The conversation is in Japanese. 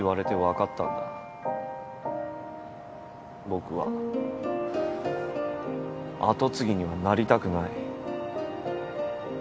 僕は跡継ぎにはなりたくない。